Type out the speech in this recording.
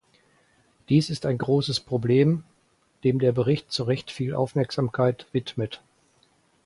Dies ist ein großes Problem, dem der Bericht zu Recht viel Aufmerksamkeit widmet.